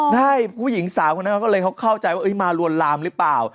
ใช่ผู้หญิงสาวคนนั้นเขาก็เลยเขาเข้าใจว่ามาลวนลามหรือเปล่า